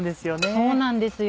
そうなんですよ